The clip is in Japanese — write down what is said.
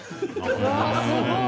うわーすごい！